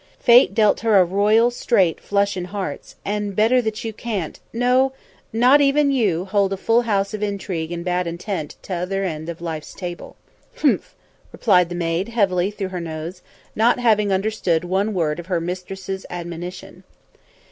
Fate dealt her a royal straight flush in hearts, and better that you can't no! not even if you hold a full house of intrigue and bad intent t'other end of Life's table." "Humff!" replied the maid heavily through her nose, not having understood one word of her mistress's admonition.